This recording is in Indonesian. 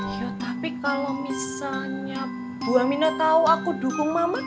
iya tapi kalo misalnya bu aminah tau aku dukung mamat